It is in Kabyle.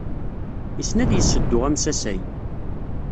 Yessen ad yesseddu amsasay.